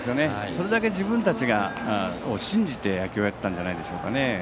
それだけ自分たちを信じて野球をやっていたんじゃないでしょうかね。